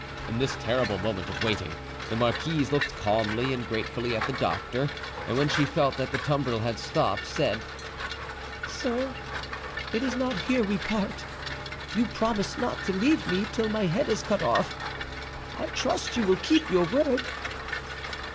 In this terrible moment of waiting, the marquise looked calmly and gratefully at the doctor, and when she felt that the tumbril had stopped, said, "Sir, it is not here we part: you promised not to leave me till my head is cut off. I trust you will keep your word."